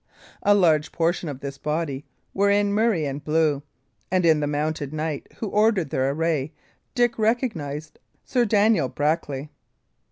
A large portion of this body were in murrey and blue, and in the mounted knight who ordered their array Dick recognised Sir Daniel Brackley.